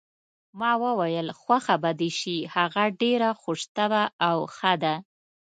ما وویل: خوښه به دې شي، هغه ډېره خوش طبع او ښه ده.